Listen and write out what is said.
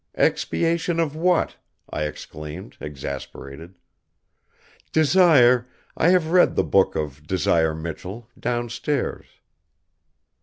"Expiation of what?" I exclaimed, exasperated. "Desire, I have read the book of Desire Michell, downstairs."